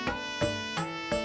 tidak ada yang bisa diberikan